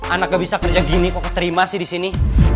anak gak bisa kerja gini kok keterima sih disini